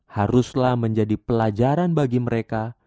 haruslah menjadi pelajaran bagi mereka